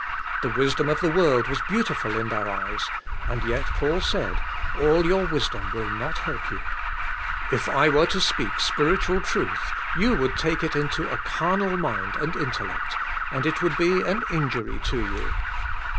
The wisdom of the world was beautiful in their eyes, and yet Paul said, all your wisdom will not help you. If I were to speak spiritual truth you would take it into a carnal mind and intellect and it would be an injur v to you.